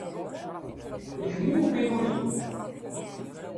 D kemm i yiwin ul-iw.